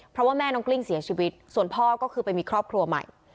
เพราะว่าแม่น้องกลิ้งเสียชีวิตส่วนพ่อก็คือไปมีครอบครัวใหม่